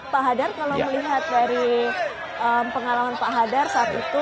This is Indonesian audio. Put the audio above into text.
pak hadar kalau melihat dari pengalaman pak hadar saat itu